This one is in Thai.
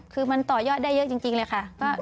คือมันต่อยอดได้เยอะจริงเลยค่ะ